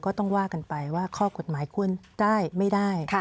ก็ต้องว่ากันไปว่าข้อกฎหมายควรได้ไม่ได้